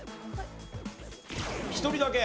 １人だけ。